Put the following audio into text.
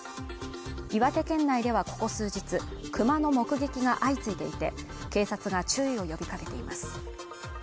岩手県内ではここ数日、クマの目撃が相次いでいて警察が注意を呼びかけています。